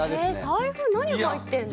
財布何入ってるの？